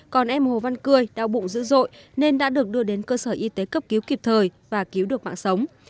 còn em hồ văn cươi đau bụng dữ dội nên đã được đưa đến cơ sở y tế cấp cứu kịp thời và cứu được mạng sống